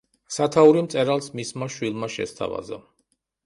სათაური მწერალს მისმა შვილმა შესთავაზა.